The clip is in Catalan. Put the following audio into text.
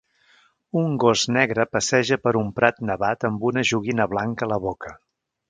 Un gos negre passeja per un prat nevat amb una joguina blanca a la boca.